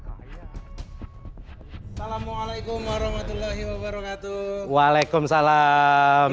assalamualaikum warahmatullahi wabarakatuh waalaikumsalam